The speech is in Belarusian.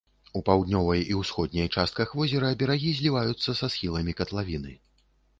У паўднёвай і ўсходняй частках возера берагі зліваюцца са схіламі катлавіны.